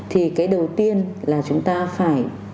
thì cái đầu tiên là chúng ta phải